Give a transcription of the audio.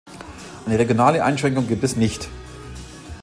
Eine regionale Einschränkung gibt es nicht.